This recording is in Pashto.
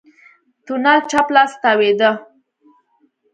تونل چپ لاس ته تاوېده.